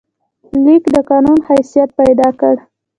لیک د قانون حیثیت پیدا کړ.